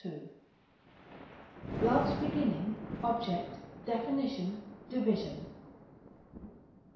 —Love's Beginning, Object, Definition, Division.